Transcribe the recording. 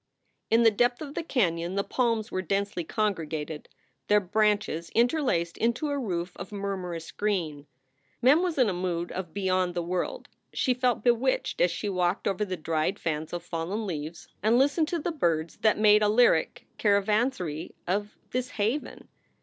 In the depth of the canon the palms were densely congre gated; their branches interlaced into a roof of murmurous green. Mem was in a mood of beyond the world; she felt bewitched as she walked over the dried fans of fallen leaves and listened to the birds that made a lyric caravan sary of this haven.